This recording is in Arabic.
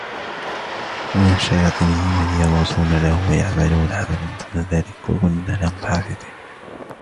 ومن الشياطين من يغوصون له ويعملون عملا دون ذلك وكنا لهم حافظين